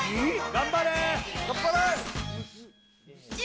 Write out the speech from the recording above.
頑張れ！